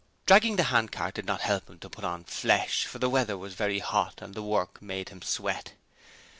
Dragging the handcart did not help him to put on flesh, for the weather was very hot and the work made him sweat.